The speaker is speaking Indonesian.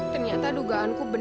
ternyata dugaanku benar